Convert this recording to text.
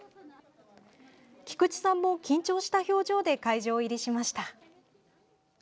菊池さんも緊張した表情で会場入りしました。